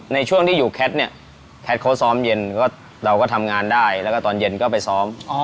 ในช่วงที่อยู่แคทเนี่ยแคทเขาซ้อมเย็นเราก็ทำงานได้แล้วก็ตอนเย็นก็ไปซ้อม